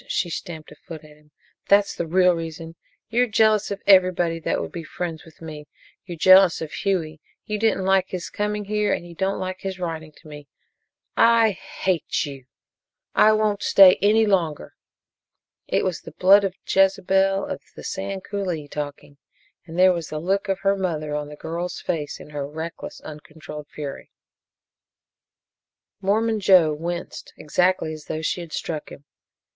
She stamped a foot at him. "That's the real reason. You're jealous of everybody that would be friends with me! You're jealous of Hughie. You didn't like his coming here and you don't like his writing to me! I hate you I won't stay any longer!" It was the blood of Jezebel of the Sand Coulee talking, and there was the look of her mother on the girl's face, in her reckless, uncontrolled fury. Mormon Joe winced, exactly as though she had struck him.